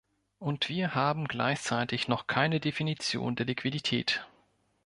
Und wir haben gleichzeitig noch keine Definition der Liquidität.